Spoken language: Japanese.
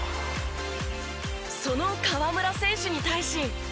その河村選手に対し。